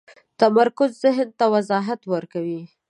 تمرکز ذهن ته وضاحت ورکوي.